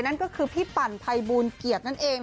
นั่นก็คือพี่ปั่นภัยบูลเกียรตินั่นเอง